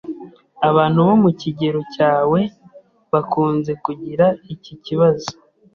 Abantu bo mu kigero cyawe bakunze kugira iki kibazo.